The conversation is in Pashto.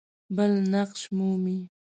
بل نقش مومي.